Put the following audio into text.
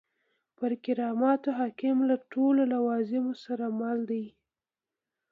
پر کرامت حکم له ټولو لوازمو سره مل دی.